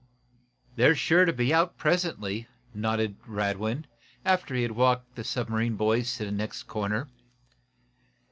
"They're sure to be out presently," nodded Radwin, after he had walked the submarine boys to the next corner.